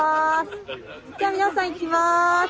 じゃあ皆さんいきます。